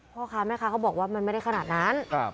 พ่อค้าแม่ค้าเขาบอกว่ามันไม่ได้ขนาดนั้น